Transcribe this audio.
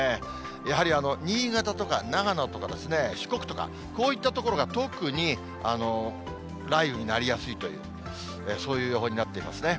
やはり新潟とか、長野とか、四国とか、こういった所が特に雷雨になりやすいという、そういう予報になっていますね。